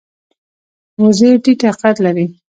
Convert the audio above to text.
وزې ټیټه قد لري